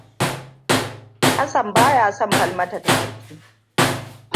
Hassan baya son Falmatatu ta tafi.